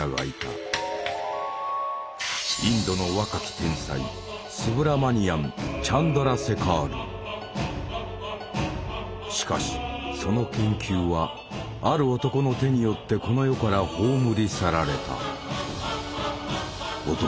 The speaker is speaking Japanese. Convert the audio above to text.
インドの若き天才しかしその研究はある男の手によってこの世から葬り去られた。